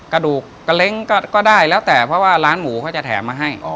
กระดูกกระเล้งก็ได้แล้วแต่เพราะว่าร้านหมูเขาจะแถมมาให้